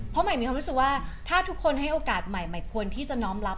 เพราะใหม่มีความรู้สึกว่าถ้าทุกคนให้โอกาสใหม่ใหม่ควรที่จะน้อมรับ